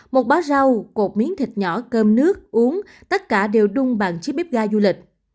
một bó rau cột miếng thịt nhỏ cơm nước uống tất cả đều đung bằng chiếc bếp ga du lịch